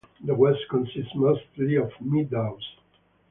The west consists mostly of meadows.